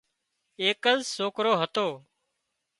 ايڪز سوڪرو هتو